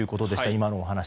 今のお話。